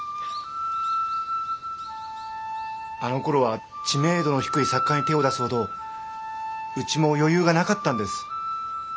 あのころは知名度の低い作家に手を出すほどうちも余裕がなかったんです。